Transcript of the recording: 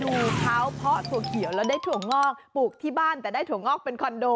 ดูเท้าเพาะถั่วเขียวแล้วได้ถั่วงอกปลูกที่บ้านแต่ได้ถั่วงอกเป็นคอนโด